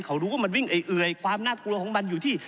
เขารู้ว่ามันวิ่งเอื่อยความน่ากลัวของมันอยู่ที่